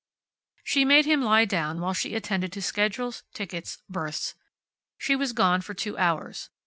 She made him lie down while she attended to schedules, tickets, berths. She was gone for two hours.